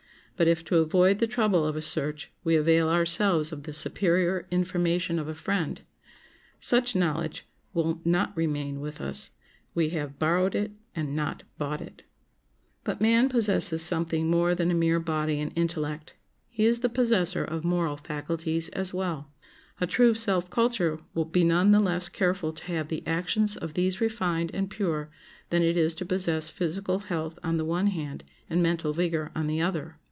But if to avoid the trouble of a search we avail ourselves of the superior information of a friend, such knowledge will not remain with us; we have borrowed it and not bought it. But man possesses something more than a mere body and intellect; he is the possessor of moral faculties as well. A true self culture will be none the less careful to have the actions of these refined and pure than it is to possess physical health on the one hand and mental vigor on the other.